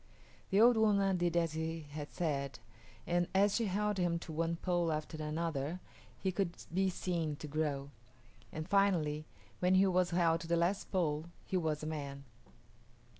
The old woman did as he had said, and as she held him to one pole after another he could be seen to grow; and finally when he was held to the last pole he was a man.